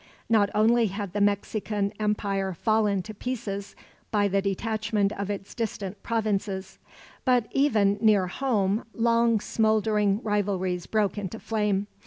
Not only had the Mexican Empire fallen to pieces, by the detachment of its distant provinces; but even near home long smoldering rivalries broke into flame.